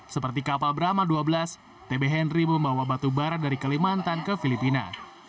seperti kapal brama dua belas tb henry membawa batu bara dari kalimantan ke filipina